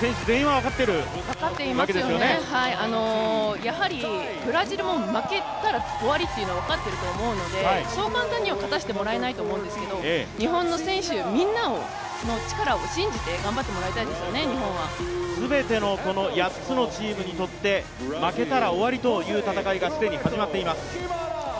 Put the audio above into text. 分かっていますよね、やはりブラジルも負けたら終わりっていうのを分かってると思うのでそう簡単には勝たせてもらえないと思うんですけれども、日本の選手みんなの力を信じて頑張ってもらいたいですよね、日本は全ての８つのチームにとって負けたら終わりという戦いが既に始まっています。